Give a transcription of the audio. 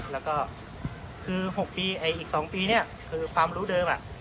แล้วก็คือ๖ปีอีก๒ปีเนี่ยคือความรู้เดิม